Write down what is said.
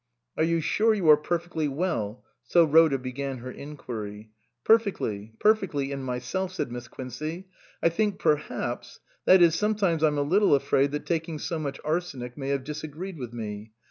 " Are you sure you are perfectly well ?" so Rhoda began her inquiry. "Perfectly, perfectly in myself," said Miss Quincey, " I think, perhaps that is, sometimes I'm a little afraid that taking so much arsenic may have disagreed with me.